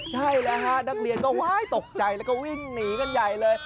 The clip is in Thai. ใช่แหละฮะนักเรียนก็หวายตกใจหนีกันใหญ่เลย